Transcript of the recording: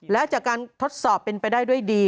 และจากการทดสอบเป็นไปได้ด้วยดี